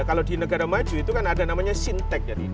kalau di negara maju itu kan ada namanya sintech